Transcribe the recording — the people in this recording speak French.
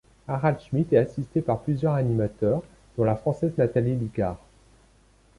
Harald Schmidt est assisté par plusieurs animateurs, dont la française Nathalie Licard.